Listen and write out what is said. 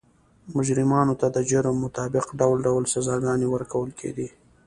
مجرمانو ته د جرم مطابق ډول ډول سزاګانې ورکول کېدې.